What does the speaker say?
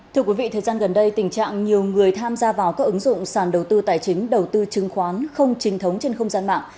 thưa quý vị thời gian gần đây tình trạng nhiều người tham gia vào các ứng dụng sàn đầu tư tài chính đầu tư chứng khoán không trinh thống trên không gian mạng